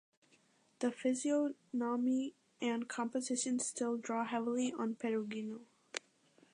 The physiognomy and composition still draw heavily on Perugino.